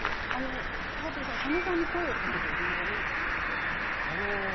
佐藤さん佐野さんに声をかけた理由は何だったんですか。